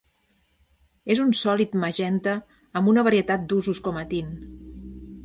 És un sòlid magenta amb una varietat d'usos com a tint.